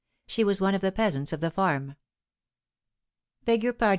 She was one of the peasants of the farm. "Beg your pardon, M.